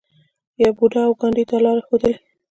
بودا او ګاندي دا لار ښودلې.